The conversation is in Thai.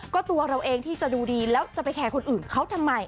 ก็ตัวเราเองที่จะดูดีแล้วจะไปแคร์คนอื่นเขาทำไม